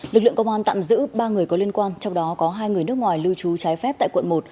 lực lượng công an tạm giữ ba người có liên quan trong đó có hai người nước ngoài lưu trú trái phép tại quận một